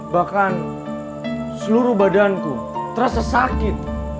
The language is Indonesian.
bahkan seluruh badanku terasa sakit